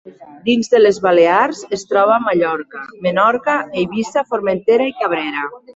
Dins de les Balears, es troba a Mallorca, Menorca, Eivissa, Formentera i Cabrera.